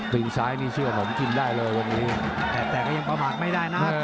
ตรงซ้ายนี่ชื่อว่าผมกินได้เลยวันนี้แต่ยังประหมัดไม่ได้นะ